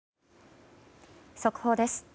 速報です。